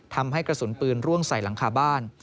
ทำให้กระสุนปืนร่วงใส่หลังคาบ้าน